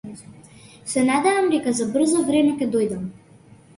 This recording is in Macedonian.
Се надевам дека за брзо време ќе дојдам.